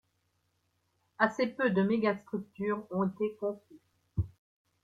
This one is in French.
Assez peu de mégastructures ont été conçues.